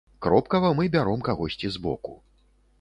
Кропкава мы бяром кагосьці збоку.